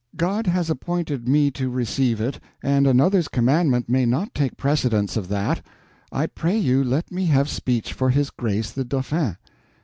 "God has appointed me to receive it, and another's commandment may not take precedence of that. I pray you let me have speech for his grace the Dauphin."